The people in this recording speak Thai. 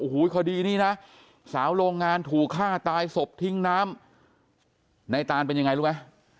โอ้โหคดีนี้นะสาวโรงงานถูกฆ่าตายศพทิ้งน้ำในตานเป็นยังไงรู้ไหม